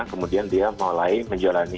kemudian dia mulai menjalani